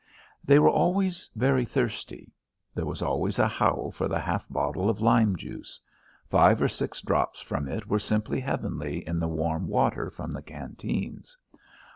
They were always very thirsty. There was always a howl for the half bottle of lime juice. Five or six drops from it were simply heavenly in the warm water from the canteens.